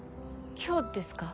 今日ですか？